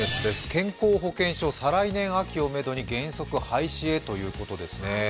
健康保険証、再来年秋をめどに原則廃止へということですね。